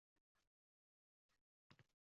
Bugun ular birin-ketin kelishyapti